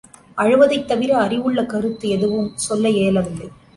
அழுவதைத் தவிர அறிவுள்ள கருத்து எதுவும் சொல்ல இயலவில்லை.